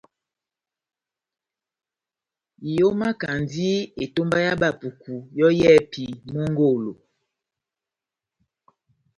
Ihomakandi etomba ya Bapuku yɔ́ yɛ́hɛ́pi mongolo.